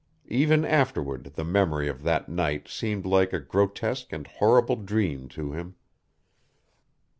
Ever afterward the memory of that night seemed like a grotesque and horrible dream to him.